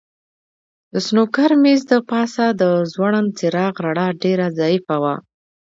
د سنوکر مېز د پاسه د ځوړند څراغ رڼا ډېره ضعیفه وه.